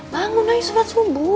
bangun aja surat subuh